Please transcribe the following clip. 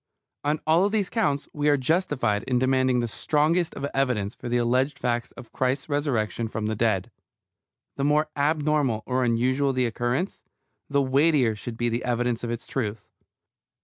On all these counts we are justified in demanding the strongest of evidence for the alleged fact of Christ's resurrection from the dead. The more abnormal or unusual the occurrence, the weightier should be the evidence of its truth.